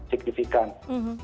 yang sedang berpengalaman